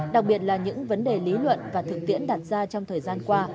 đặc biệt là những vấn đề lý luận và thực tiễn đặt ra trong thời gian qua